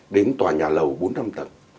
đến tòa nhà lầu bốn năm tầng